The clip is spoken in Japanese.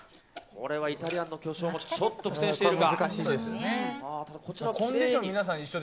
これはイタリアンの巨匠もちょっと苦戦しているか。